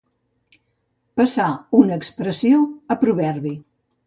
Passar, una expressió, a proverbi.